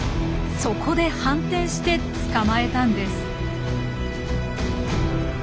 そこで反転して捕まえたんです。